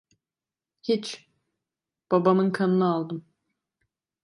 Hiç, babamın kanını aldım.